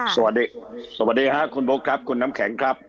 สวัสดีค่ะคุณโบ๊คครับคุณน้ำแข็งครับ